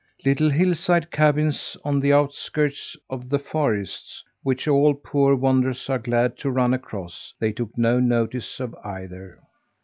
Little hillside cabins on the outskirts of the forests, which all poor wanderers are glad to run across, they took no notice of either.